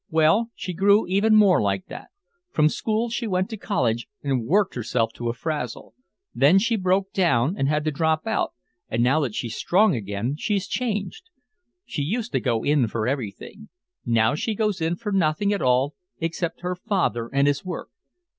Well, she grew even more like that. From school she went to college and worked herself to a frazzle. Then she broke down and had to drop out, and now that she's strong again she's changed. She used to go in for everything. Now she goes in for nothing at all except her father and his work.